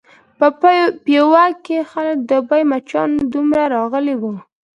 په پېوه کې خلک لکه د دوبي مچانو دومره راغلي وو.